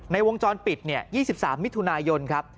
วงจรปิด๒๓มิถุนายนครับ